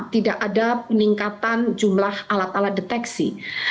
tidak ada peningkatan jumlah alat alat deteksi